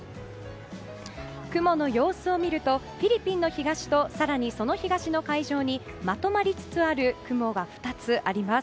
雲の様子を見るとフィリピンの東と更にその東の海上にまとまりつつある雲が２つあります。